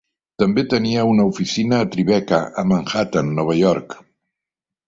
També tenia una oficina a Tribeca a Manhattan, Nova York.